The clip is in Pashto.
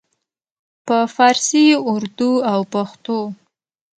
په پارسي، اردو او پښتو